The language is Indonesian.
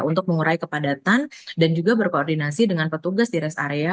untuk mengurai kepadatan dan juga berkoordinasi dengan petugas di rest area